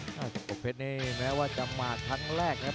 ปนพลนแพทสี้แม้ว่าจะหมากทั้งแรกนะครับ